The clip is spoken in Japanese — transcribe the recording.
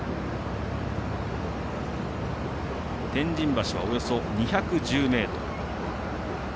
天神橋はおよそ２１０ｍ。